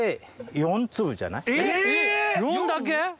４だけ？